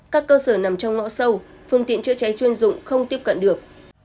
các cơ sở nằm trong ngõ sâu phương tiện chữa cháy chuyên dụng không tiếp cận được